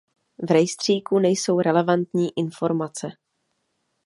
V rejstříku nejsou relevantní informace.